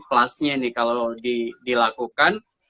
plusnya nih kalau dilakukan